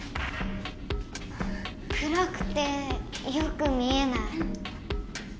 くらくてよく見えない。